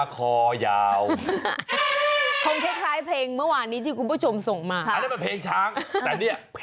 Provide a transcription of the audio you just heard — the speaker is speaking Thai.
เคยได้ฟังกับครั้งนี้แหละมันมีกับเขาจริงนะเนี่ย